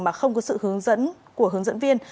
mà không có sự hướng dẫn của hướng dẫn viên